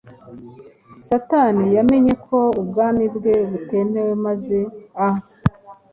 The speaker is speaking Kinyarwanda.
Satani yamenye ko ubwami bwe butewe maze, a